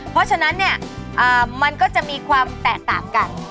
เพราะฉะนั้นเนี่ยมันก็จะมีความแตกต่างกัน